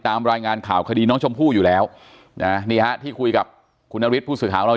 ตามรายงานข่าวคดีน้องชมพู่อยู่แล้วที่คุยกับผู้สื่อข่าวเรา